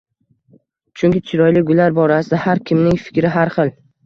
Chunki chiroyli gullar borasida har kimning fikri har xil